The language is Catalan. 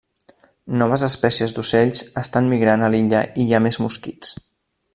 Noves espècies d'ocells estan migrant a l'illa i hi ha més mosquits.